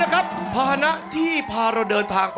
ออกออกออกออกออกออกออกออกออก